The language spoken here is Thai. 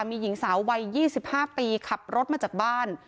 มีหญิงสาววัย๒๕ปีขับรถมาจากบ้าน